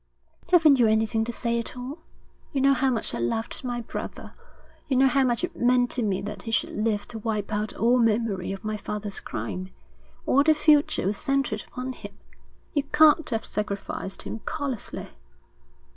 'Haven't you anything to say at all? You know how much I loved my brother. You know how much it meant to me that he should live to wipe out all memory of my father's crime. All the future was centred upon him. You can't have sacrificed him callously.'